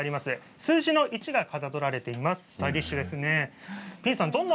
数字の１がかたどられています。